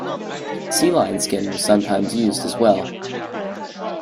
Sea lion skin was sometimes used as well.